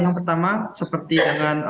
yang pertama seperti dengan